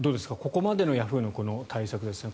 ここまでのヤフーの対策ですが。